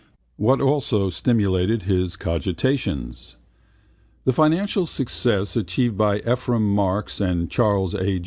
What also stimulated him in his cogitations? The financial success achieved by Ephraim Marks and Charles A.